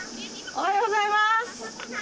おはようございます。